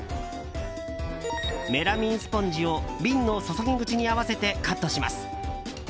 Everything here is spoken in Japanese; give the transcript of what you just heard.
メラミンスポンジを瓶の注ぎ口に合わせてカットします。